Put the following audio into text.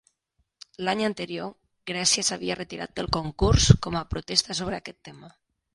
L'any anterior, Grècia s'havia retirat del concurs com a protesta sobre aquest tema.